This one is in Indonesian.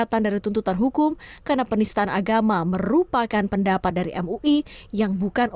pada tanggal dua puluh september dua ribu dua puluh di keputusan com id